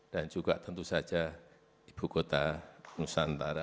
dan juga tentu saja ibu kota nusantara